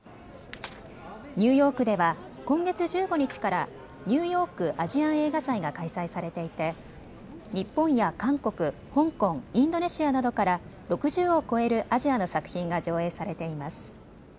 ニューヨークでは今月１５日からニューヨーク・アジアン映画祭が開催されていて日本や韓国、香港、インドネシアなどから６０を超えるアジアの作品が上映されています。